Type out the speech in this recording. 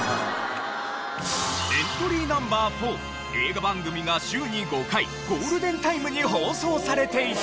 エントリーナンバー４映画番組が週に５回ゴールデンタイムに放送されていた。